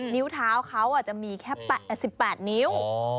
นิ้วเท้าเขาจะมีแค่๘๘นิ้ว